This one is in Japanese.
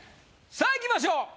さあいきましょう。